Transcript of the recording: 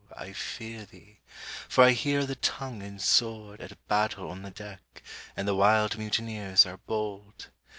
I fear thee, for I hear the tongue and sword At battle on the deck, and the wild mutineers are bold!